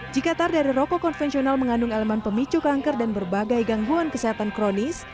jika tar dari rokok konvensional mengandung elemen pemicu kanker dan berbagai gangguan kesehatan kronis